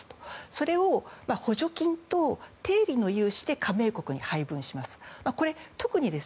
それを補助金と低利の融資で加盟国に配分します。